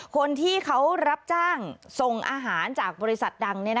คนที่เขารับจ้างส่งอาหารจากบริษัทดัง